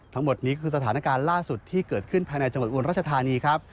ทั้งหมดนี้คือสถานการณ์ล่าสุดที่เกิดขึ้นภายในจังหวัดอุบลรัชธานีครับ